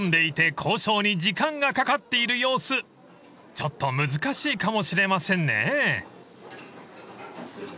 ［ちょっと難しいかもしれませんね］